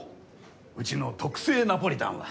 うちの特製ナポリタンは。